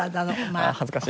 ああ恥ずかしい。